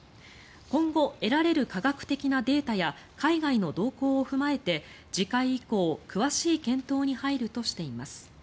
今後得られる科学的なデータや海外の動向を踏まえて次回以降詳しい検討に入るとしています。